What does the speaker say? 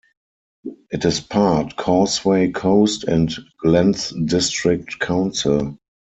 It is part Causeway Coast and Glens District Council.